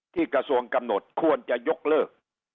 กระทรวงกำหนดควรจะยกเลิก